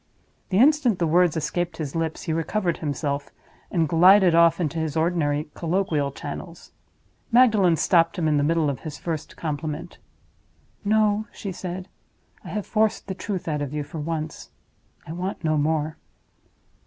The instant the words escaped his lips he recovered himself, and glided off into his ordinary colloquial channels. Magdalen stopped him in the middle of his first compliment. "No," she said; "I have forced the truth out of you for once. I want no more."